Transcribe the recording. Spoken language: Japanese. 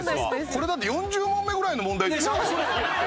これだって４０問目ぐらいの問題ですよ。